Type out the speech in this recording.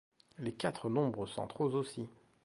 Les quatre nombres centraux aussi.